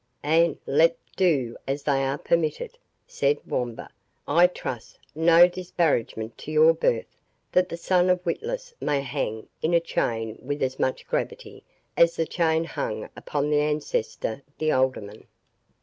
"E'en let them do as they are permitted," said Wamba; "I trust—no disparagement to your birth—that the son of Witless may hang in a chain with as much gravity as the chain hung upon his ancestor the alderman."